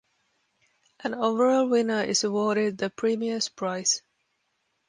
An overall winner is awarded the Premier's Prize.